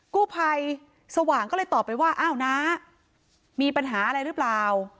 กู้ภัยสว่างก็เลยตอบไปว่าอ้าวน้ามีปัญหาอะไรหรือเปล่า